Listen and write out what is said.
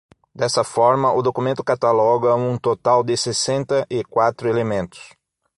Dessa forma, o documento cataloga um total de sessenta e quatro elementos.